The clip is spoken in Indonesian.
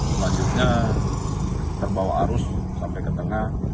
selanjutnya terbawa arus sampai ke tengah